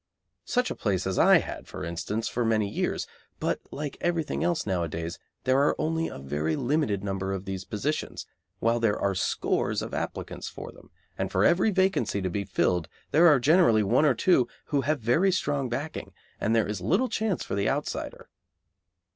Such a place as I had, for instance, for many years, but, like everything else nowadays, there are only a very limited number of these positions, while there are scores of applicants for them, and for every vacancy to be filled there are generally one or two who have very strong backing, and there is little chance for the outsider.